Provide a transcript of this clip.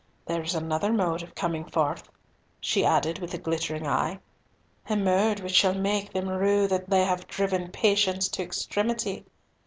There is another mode of coming forth," she added with a glittering eye, "a mode which shall make them rue that they have driven patience to extremity."